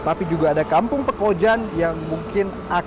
tapi juga ada kampung pekojan yang mungkin akan